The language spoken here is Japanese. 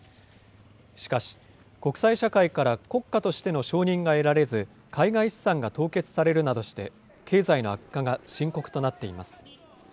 しかし、国際社会から国家としての承認が得られず、海外資産が凍結されるなどして、経済の悪化が深刻となっています。